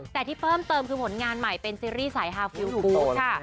แต่ที่เพิ่มเติมคือผลงานใหม่เป็นซีรีส์สายฮาฟิลฟู้ดค่ะ